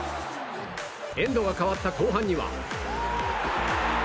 エンドが変わった後半には。